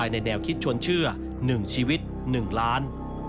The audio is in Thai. ในแนวคิดชวนเชื่อ๑ชีวิต๑ล้าน